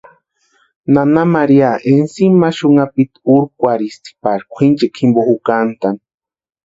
Nana María ensima ma xunhapiti urkwarhisti pari kwʼinchekwa jimpo jukantʼani.